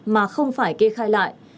mà không phải kê khai lại